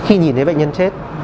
khi nhìn thấy bệnh nhân chết